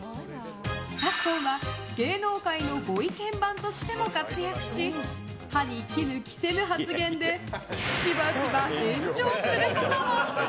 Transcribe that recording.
昨今は芸能界のご意見番としても活躍し歯に衣着せぬ発言でしばしば炎上することも。